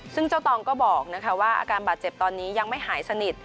ซึ่งเจ้าตองก็บอกว่าอาการบาดเจ็บตอนนี้ยังไม่หายสนิท